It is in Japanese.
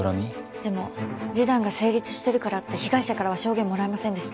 でも示談が成立してるからって被害者からは証言もらえませんでした。